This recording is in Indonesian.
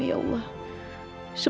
terima kasih bu